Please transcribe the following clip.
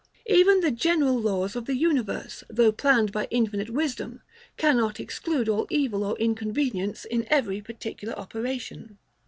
Even the general laws of the universe, though planned by infinite wisdom, cannot exclude all evil or inconvenience in every particular operation.